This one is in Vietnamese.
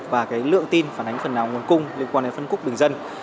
và cái lượng tin phản ánh phần nào nguồn cung liên quan đến phân khúc bình dân